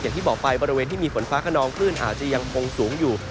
อย่างที่บอกไปบริเวณที่มีฝนฟ้าขนองคลื่นอาจจะยังคงสูงอยู่